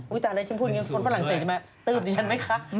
วิธานาฬิกาฉันพูดอย่างนี้คนฝรั่งเศสมั้ยตื้มดิฉันไหมคะ